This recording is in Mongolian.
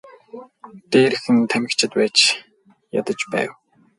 Дээр нь тамхичид байж ядаж байв.